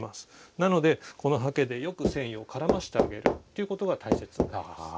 なのでこの刷毛でよく繊維を絡ましてあげるということが大切になります。